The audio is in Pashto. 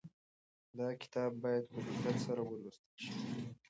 دا کتاب باید په دقت سره ولوستل شي.